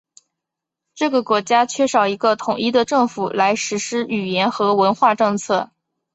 这个国家缺少一个统一的政府来实施语言和文化政策。